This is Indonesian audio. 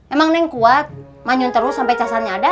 emang neng kuat manyun terus sampe casannya ada